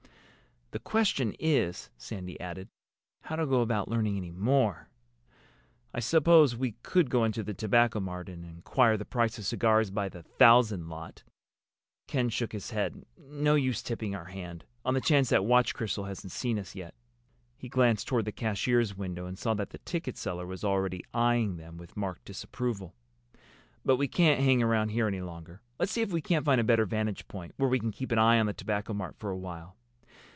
The question is," Sandy added, "how to go about learning any more. I suppose we could go into the Tobacco Mart and inquire the price of cigars by the thousand lot." Ken shook his head. "No use tipping our hand—on the chance that Watch Crystal hasn't seen us yet." He glanced toward the cashier's window and saw that the ticket seller was already eying them with marked disapproval. "But we can't hang around here any longer. Let's see if we can't find a better vantage point, where we can keep an eye on the Tobacco Mart for a while.